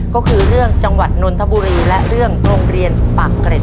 ก็คือเรื่องจังหวัดนนทบุรีและเรื่องโรงเรียนปากเกร็ด